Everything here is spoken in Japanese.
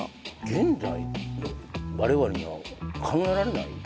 現代の我々には考えられない？